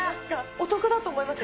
お得だと思います